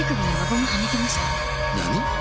何？